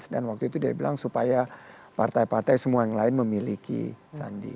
dan waktu itu dia bilang supaya partai partai semua yang lain memiliki sandi